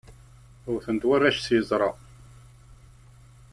Wten-t warrac s yiẓra.